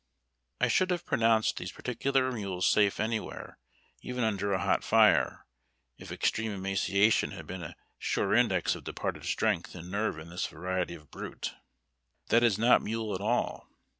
I should have pronounced these })articular mules safe any where, even under a hot fire, if extreme emaciation had been a sure index of departed strength and nerve in this variety of brute. But that is not mule at all.